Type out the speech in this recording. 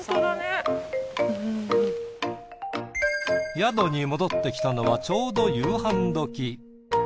宿に戻ってきたのはちょうど夕飯時。